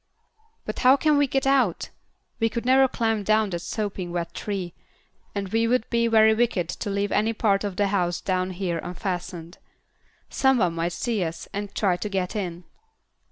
"But how can we get out? We could never climb down that sopping wet tree, and we would be very wicked to leave any part of the house down here unfastened. Some one might see us and try to get in."